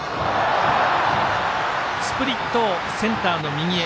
スプリットをセンターの右へ。